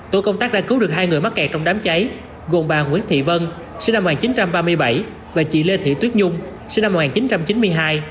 tổ công tác đã cứu được hai người mắc kẹt trong đám cháy gồm bà nguyễn thị vân sinh năm một nghìn chín trăm ba mươi bảy và chị lê thị tuyết nhung sinh năm một nghìn chín trăm chín mươi hai